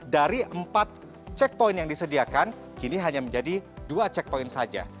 dari empat checkpoint yang disediakan kini hanya menjadi dua checkpoint saja